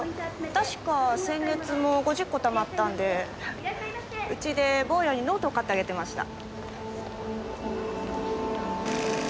確か先月も５０個たまったんでうちで坊やにノートを買ってあげてました。